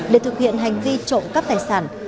để thực hiện hành vi trộm cắp tài sản